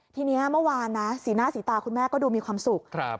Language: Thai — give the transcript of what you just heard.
ทีนี้เมื่อวานนะสีหน้าสีตาคุณแม่ก็ดูมีความสุข